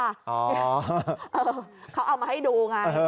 อ๋อเขาเอามาให้ดูไง